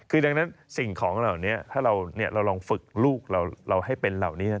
คือดังนั้นสิ่งของเหล่านี้ถ้าเราลองฝึกลูกเราให้เป็นเหล่านี้